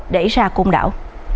để ra côn đảo